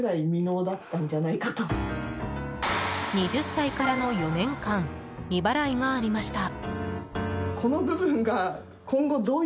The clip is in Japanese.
２０歳からの４年間未払いがありました。